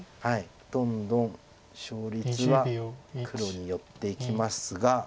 どんどん勝率は黒に寄っていきますが。